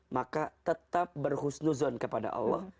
maka tetap berhusnuzon kepada allah